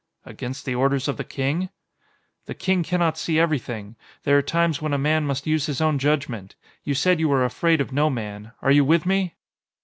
"Against the orders of the King?" "The King cannot see everything! There are times when a man must use his own judgment! You said you were afraid of no man. Are you with me?"